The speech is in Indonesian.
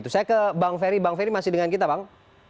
saya ke bang ferry bang ferry masih dengan kita bang